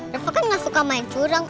reva kan gak suka main curang